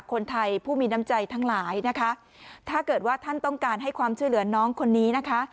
คนไทยผู้มีน้ำใจทั้งหลายนะคะถ้าเกิดว่าท่านต้องการให้ความช่วยเหลือน้องคนนี้นะคะ